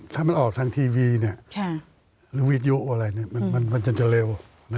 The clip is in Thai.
ถ้ามันออกทางทีวีหรือวิทยุอะไรมันจะเร็ว